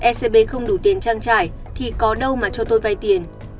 scb không đủ tiền trang trải thì có đâu mà cho tôi vai tiền